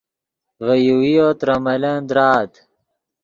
ڤے یوویو ترے ملن درآت